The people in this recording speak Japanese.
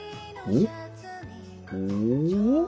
お？